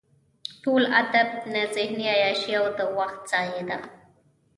ټول ادب نه ذهني عیاشي او د وخت ضایع ده.